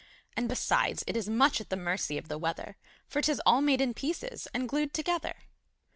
And, besides, it is much at the mercy of the weather For 'tis all made in pieces and glued together!